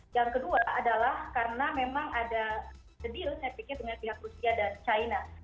yang kedua adalah karena memang ada deal saya pikir dengan pihak rusia dan china